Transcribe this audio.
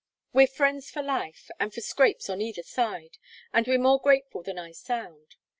We're friends for life, and for scrapes on either side and we're more grateful than I sound.